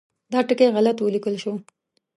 دا ټکی غلط ولیکل شو.